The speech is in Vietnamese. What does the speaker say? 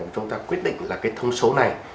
chúng ta quyết định là cái thông số này